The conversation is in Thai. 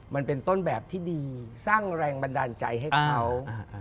มันเป็นต้นแบบที่ดีสร้างแรงบันดาลใจให้เขา